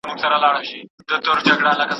کشکي ټول وجود مي یو شان ښکارېدلای